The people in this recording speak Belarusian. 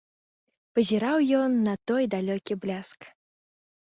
Пазіраў ён на той далёкі бляск.